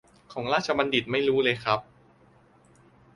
ของราชบัณฑิตไม่รู้เลยครับ